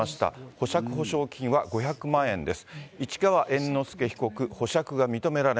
保釈保証金は５００万円です。